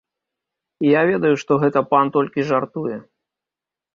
Я ведаю, што гэта пан толькі жартуе.